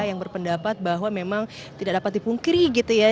yang berpendapat bahwa memang tidak dapat dipungkiri gitu ya